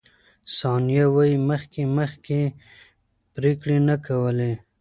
ثانیه وايي، مخکې مخکې پرېکړې نه کولې.